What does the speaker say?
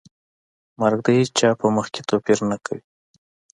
مرګ د هیچا په منځ کې توپیر نه کوي.